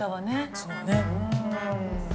そうね。